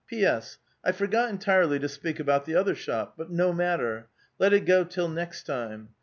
P.S. I forgot entirely to speak about the other shop ; but no matter ; let it go till next time.